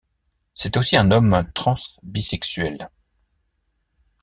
C'est aussi un homme trans bisexuel.